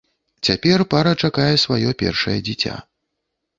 Цяпер пара чакае сваё першае дзіця.